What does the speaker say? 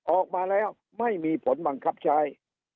ออกมาแล้วไม่มีผลบังคับใช้